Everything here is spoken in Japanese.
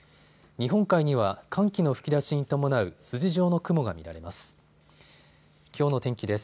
日本海には寒気の吹き出しに伴う筋状の雲が見られます。